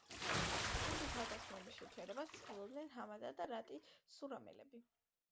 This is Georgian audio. მისი თავდასხმების შეჩერებას ცდილობდნენ ჰამადა და რატი სურამელები.